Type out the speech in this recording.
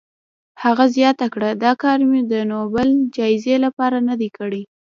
هغه زیاته کړه، دا کار مې د نوبل جایزې لپاره نه دی کړی.